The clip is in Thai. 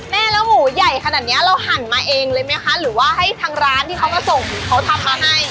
แม่แล้วหมูใหญ่ขนาดนี้เราหั่นมาเองเลยไหมคะหรือว่าให้ทางร้านที่เขาก็ส่งเขาทำมาให้